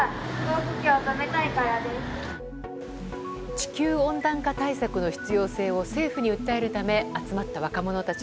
地球温暖化対策の必要性を政府に訴えるため集まった若者たち。